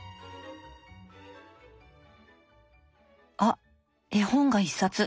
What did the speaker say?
あっ絵本が１冊。